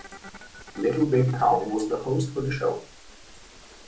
Little Big Town was the host for the show.